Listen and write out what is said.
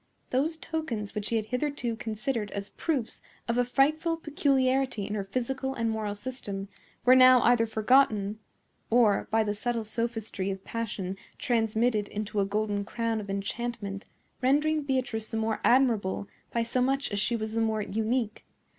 Those tokens which he had hitherto considered as proofs of a frightful peculiarity in her physical and moral system were now either forgotten, or, by the subtle sophistry of passion transmitted into a golden crown of enchantment, rendering Beatrice the more admirable by so much as she was the more unique.